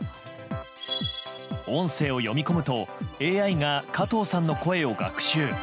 音声を読み込むとＡＩが加藤さんの声を学習。